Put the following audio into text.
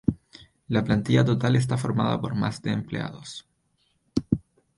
La plantilla total está formada por más de empleados.